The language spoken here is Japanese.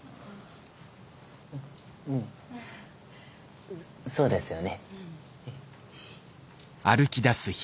うんそうですよね。